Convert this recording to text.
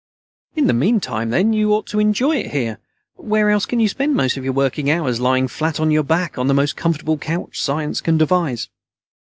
"In the meantime, then, you ought to try to enjoy it here. Where else can you spend most of your working hours lying flat on your back on the most comfortable couch science can devise?"